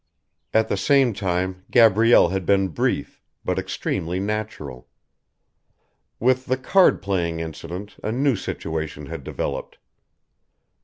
At the same time Gabrielle had been brief, but extremely natural. With the card playing incident a new situation had developed.